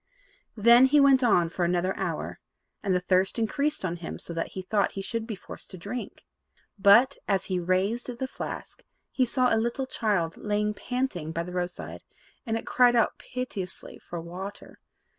Then he went on for another hour, and the thirst increased on him so that he thought he should be forced to drink. But, as he raised the flask, he saw a little child lying panting by the roadside, and it cried out piteously for water.